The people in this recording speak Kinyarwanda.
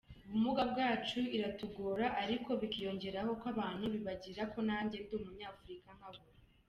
"Ubumuga bwacu iratugora ariko bikiyongeraho ko abantu bibagirwa ko nanjye ndi Umunyafurika nka bo.